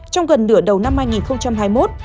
trong gần nửa đầu năm hai nghìn hai mươi một